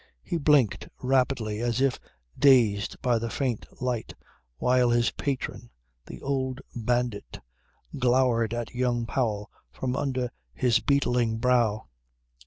He blinked rapidly as if dazed by the faint light, while his patron, the old bandit, glowered at young Powell from under his beetling brow.